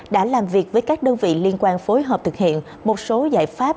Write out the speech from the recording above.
đã làm việc với các đơn vị liên quan phối hợp thực hiện một số giải pháp